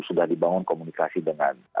sudah dibangun komunikasi dengan